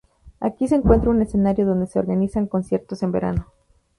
Aquí se encuentra un escenario donde se organizan conciertos en verano.